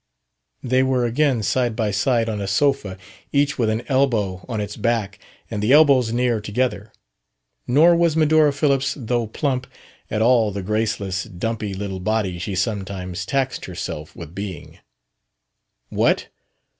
They were again side by side on a sofa, each with an elbow on its back and the elbows near together. Nor was Medora Phillips, though plump, at all the graceless, dumpy little body she sometimes taxed herself with being. "What?